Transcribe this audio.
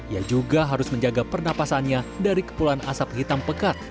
ia juga harus menjaga pernapasannya dari kepulan asap hitam pekat